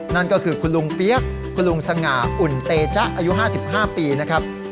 นั่นก็คือคุณลุงเปี๊ยกคุณลุงสง่าอุ่นเตจ๊ะอายุ๕๕ปีนะครับ